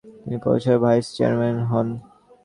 তিনি পৌরসভার vice chairman নির্বাচিত হন।